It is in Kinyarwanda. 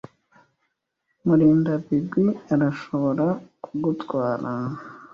Murindabigwi arashobora kugutwara.